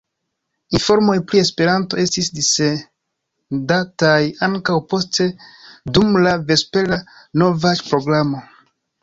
Informoj pri Esperanto estis dissendataj ankaŭ poste dum la vespera novaĵ-programo.